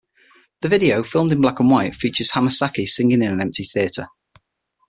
The video, filmed in black and white, features Hamasaki singing in an empty theatre.